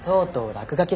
落書き？